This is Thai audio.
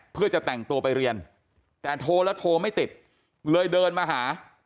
เพื่อจะแต่งตัวไปเรียนแต่โทรแล้วโทรไม่ติดเลยเดินมาหา